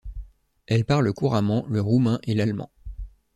Elle parle couramment le roumain et l'allemand.